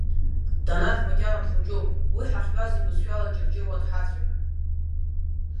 Данаҭ макьана дхәыҷуп, уи ҳахьтәаз ибызшәала дҷырҷыруа дҳацәажәон.